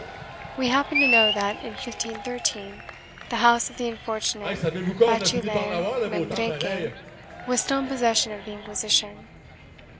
We happen to know that, in 1513, the house of the unfortunate Bachiller Membreque was still in possession of the Inquisition.